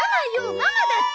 ママだって！